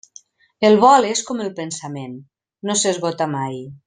El vol és com el pensament: no s'esgota mai.